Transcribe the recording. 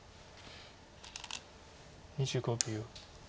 ２５秒。